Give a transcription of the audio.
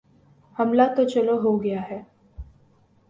حملہ تو چلو ہو گیا۔